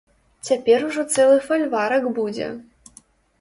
Цяпер ужо цэлы фальварак будзе.